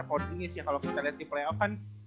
kalau kita lihat di playoff kan